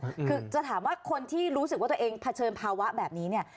คือจะถามว่าคนที่รู้สึกว่าตัวเองเผชิญภาวะแบบนี้เนี่ย